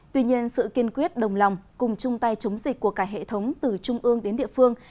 tuy nhiên sự kiên quyết đồng lòng cùng chung tay chống dịch của cả hệ thống từ trung ương đến địa phương